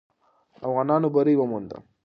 افغانانو بری وموند.